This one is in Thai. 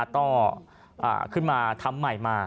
ก็ขึ้นมาทำใหม่มา